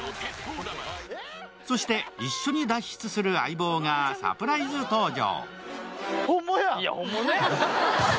そして一緒に脱出する相棒がサプライズ登場。